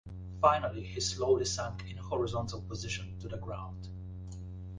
Finally, he slowly sank in a horizontal position to the ground.